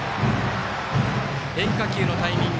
変化球のタイミング。